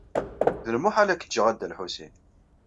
D lmuḥal ad k-ǧǧeɣ a Dda Lḥusin.